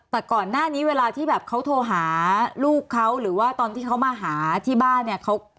แต่ก่อนหน้านี้เวลาที่แบบเขาโทรหาลูกเขาหรือว่าตอนที่เขามาหาที่บ้านเนี่ย